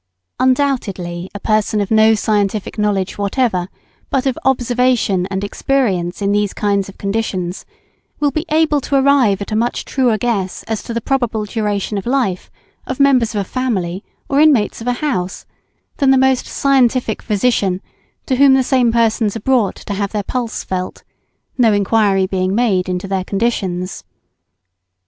Undoubtedly a person of no scientific knowledge whatever but of observation and experience in these kinds of conditions, will be able to arrive at a much truer guess as to the probable duration of life of members of a family or inmates of a house, than the most scientific physician to whom the same persons are brought to have their pulse felt; no enquiry being made into their conditions.